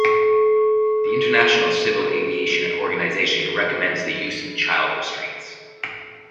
The International Civil Aviation Organization recommends the use of child restraints.